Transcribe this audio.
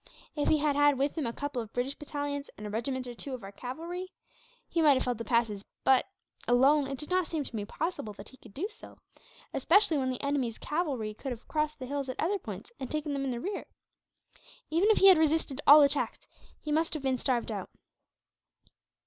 If he had had with him a couple of British battalions, and a regiment or two of our cavalry, he might have held the passes but, alone, it did not seem to me possible that he could do so; especially when the enemy's cavalry could have crossed the hills at other points, and taken them in the rear. Even if he had resisted all attacks, he must have been starved out.